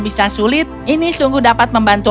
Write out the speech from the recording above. bisa sulit ini sungguh dapat membantu